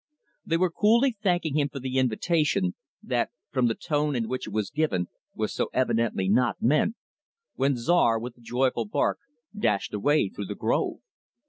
They were coolly thanking him for the invitation, that, from the tone in which it was given, was so evidently not meant, when Czar, with a joyful bark, dashed away through the grove.